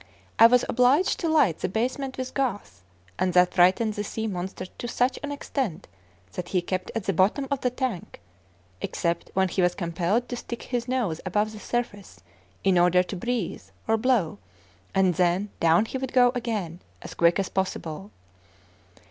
I was obliged to light the basement with gas, and that frightened the sea monster to such an extent that he kept at the bottom of the tank, except when he was compelled to stick his nose above the surface in order to breathe or "blow," and then down he would go again as quick as possible.